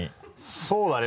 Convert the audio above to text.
そうだね